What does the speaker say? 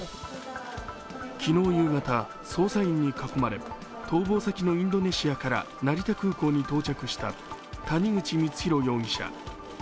昨日夕方、捜査員に囲まれ、逃亡先のインドネシアから成田空港に到着した谷口光弘容疑者。